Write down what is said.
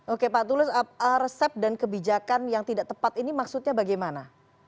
oke pak tulus resep dan kebijakan yang tidak tepat ini maksudnya bagaimana